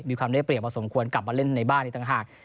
มีความได้เปรียบพอสมควรกลับมาเล่นในบ้านอีกต่างหาก